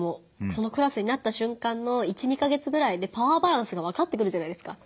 そのクラスになった瞬間の１２か月ぐらいでパワーバランスが分かってくるじゃないですか。